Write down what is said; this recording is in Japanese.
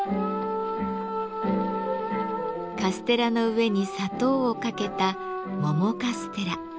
カステラの上に砂糖をかけた「桃カステラ」。